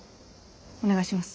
お願いします。